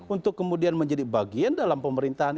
untuk kemudian menjadi bagian dalam pemerintahan